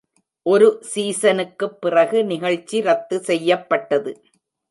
ஒரு சீசனுக்குப் பிறகு நிகழ்ச்சி ரத்து செய்யப்பட்டது.